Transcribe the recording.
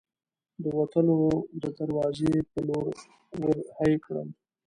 د وتلو د دراوزې په لور ور هۍ کړل.